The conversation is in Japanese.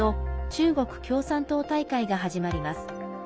中国共産党大会が始まります。